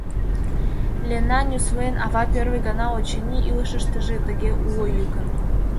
Лена — нюслен, ава — первый гана, очыни, илышыштыже тыге уло йӱкын.